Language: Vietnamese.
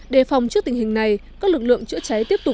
đề phòng trước tình hình này các lực lượng chữa cháy tiếp tục